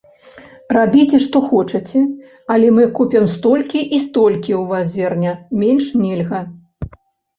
Рабіце, што хочаце, але мы купім столькі і столькі ў вас зерня, менш нельга.